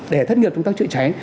để thất nghiệp công tác chữa cháy